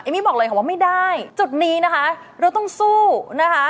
มี่บอกเลยค่ะว่าไม่ได้จุดนี้นะคะเราต้องสู้นะคะ